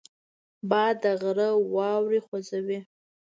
باد د غره واورې خوځوي